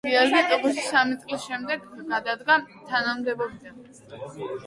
გიორგი ტუღუში სამი წლის შემდეგ გადადგა თანამდებობიდან.